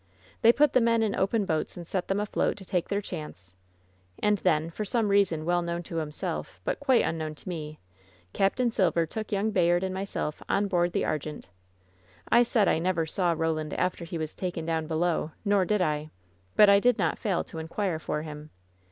They put the men in open boats and set them afloat to take their chance; and then — ^f or some reason well known to himself, but quite unknown to me — Capt, Silver took young Bay ard and myself on board the Argente. I said I never saw Koland after he was taken down below, nor did I! But I did not fail to inquire for him.